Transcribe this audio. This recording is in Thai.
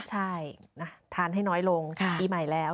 ใช่ทานให้น้อยลงปีใหม่แล้ว